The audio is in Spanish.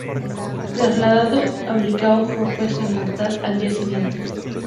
Trasladado a Bilbao fue puesto en libertad al día siguiente.